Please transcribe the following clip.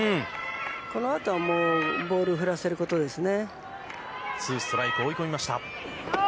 このあとはもう、ボールを振らせることですね。